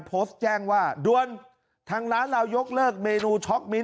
โพสต์แจ้งว่าด้วนทางร้านเรายกเลิกเมนูช็อกมิ้น